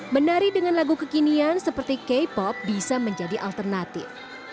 menari dengan lagu kekinian seperti k pop bisa menjadi alternatif